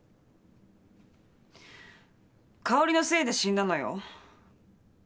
香織のせいで死んだのよ。